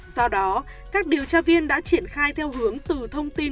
sau đó các điều tra viên đã triển khai theo hướng từ thông tin